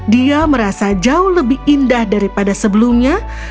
dia merasa jauh lebih indah daripada sebelumnya